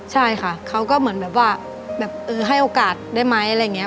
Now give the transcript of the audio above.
ใช่ค่ะเขาก็เหมือนแบบว่าแบบเออให้โอกาสได้ไหมอะไรอย่างนี้